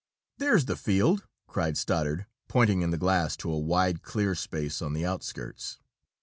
"There's the field!" cried Stoddard, pointing in the glass to a wide clear space on the outskirts.